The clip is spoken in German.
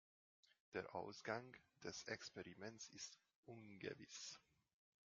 Der Ausgang des Experiments ist ungewiss.